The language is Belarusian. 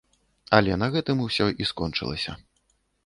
Але на гэтым усё і скончылася.